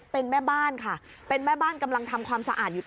เป็นแม่บ้านค่ะ